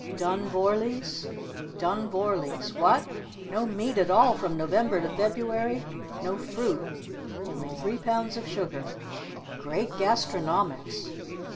Dun Vorlees? Dun Vorlees? What? No meat at all from November to February? No fruit? Only three pounds of sugar? Great Gastronomics!